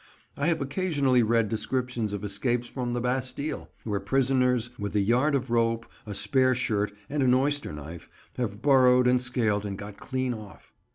I have occasionally read descriptions of escapes from the Bastille, where prisoners with a yard of rope, a spare shirt, and an oyster knife, have burrowed and scaled and got clean off.